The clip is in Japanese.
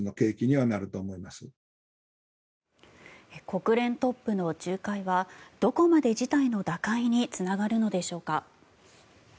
国連トップの仲介はどこまで事態の打開につながるのでしょうか。